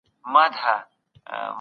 ملکیت د ژوند ضرورت دی.